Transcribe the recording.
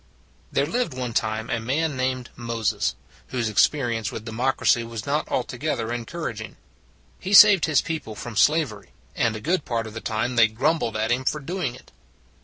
There lived one time a man named Moses whose experience with democracy was not altogether encouraging. He saved his people from slavery; and a good part of the time they grumbled at him for doing it.